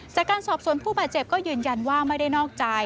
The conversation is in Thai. จากการสอบสวนผู้บาดเจ็บก็ยืนยันว่าไม่ได้นอกใจ